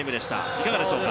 いかがでしょうか。